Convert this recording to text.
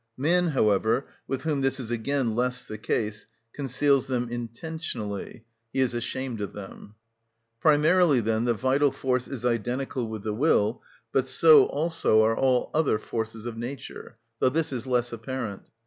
Man, however, with whom this is again less the case, conceals them intentionally: he is ashamed of them. Primarily, then, the vital force is identical with the will, but so also are all other forces of nature; though this is less apparent.